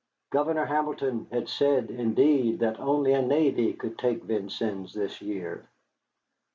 Governor Hamilton had said, indeed, that only a navy could take Vincennes this year.